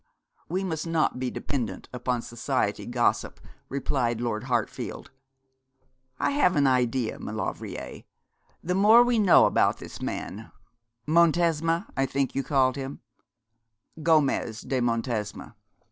'We must not be dependent upon society gossip,' replied Lord Hartfield. 'I have an idea, Maulevrier. The more we know about this man Montesma, I think you called him ' 'Gomez de Montesma.'